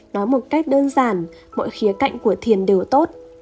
nói một cách đơn giản mỗi khía cạnh của thiền đều tốt